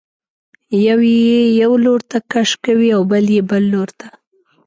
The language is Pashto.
یو یې یو لورته کش کوي او بل یې بل لورته.